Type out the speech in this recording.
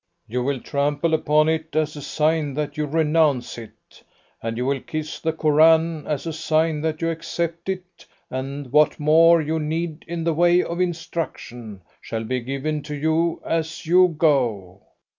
You will trample upon it, as a sign that you renounce it, and you will kiss the Koran, as a sign that you accept it, and what more you need in the way of instruction shall be given to you as you go."